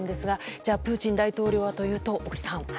じゃあプーチン大統領はというと小栗さん。